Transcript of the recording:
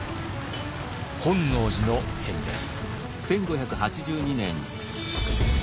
本能寺の変です。